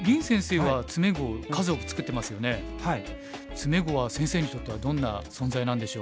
詰碁は先生にとってはどんな存在なんでしょう。